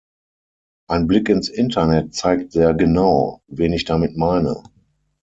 Ein Blick ins Internet zeigt sehr genau, wen ich damit meine.